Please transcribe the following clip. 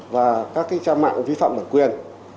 và các trang mạng vi phạm bản quyền